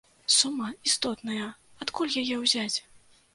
Сума істотная, адкуль яе ўзяць?